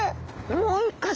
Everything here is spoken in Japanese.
もう一か所。